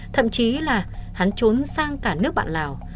thậm chí là hắn trốn sang cả nước bạn lào